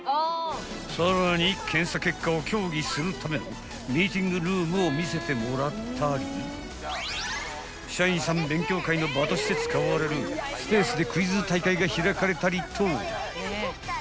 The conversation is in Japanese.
［さらに検査結果を協議するためのミーティングルームを見せてもらったり社員さん勉強会の場として使われるスペースでクイズ大会が開かれたりと］